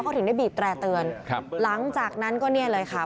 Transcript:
เขาถึงได้บีบแตร่เตือนครับหลังจากนั้นก็เนี่ยเลยค่ะ